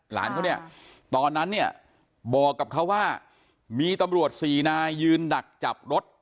หลานเขาเนี่ยตอนนั้นเนี่ยบอกกับเขาว่ามีตำรวจสี่นายยืนดักจับรถ